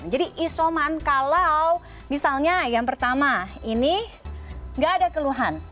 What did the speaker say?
jadi isoman kalau misalnya yang pertama ini enggak ada keluhan